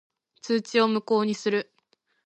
通知を無効にする。